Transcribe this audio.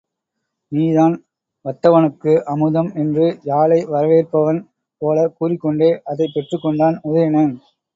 நீதான் வத்தவனுக்கு, அமுதம் என்று யாழை வரவேற்பவன் போலக் கூறிக்கொண்டே, அதைப் பெற்றுக்கொண்டான் உதயணன்.